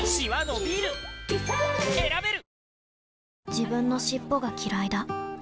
自分の尻尾がきらいだ